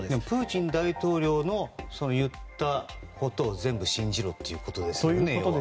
プーチン大統領の言うことを全部信じろということですよね。